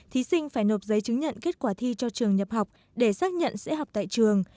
thí sinh phải nộp giấy chứng nhận kết quả thi cho trường nhập học để xác nhận sẽ học tại trường